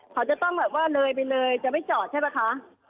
เขาจะต้องแบบว่าเลยไปเลยจะไม่จอดใช่ป่ะคะ